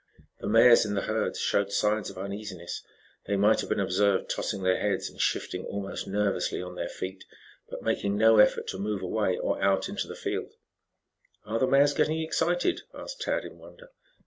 The mares in the herds showed signs of uneasiness. They might have been observed tossing their heads and shifting almost nervously on their feet, but making no effort to move away or out into the field. "Are the mares getting excited?" asked Tad in wonder.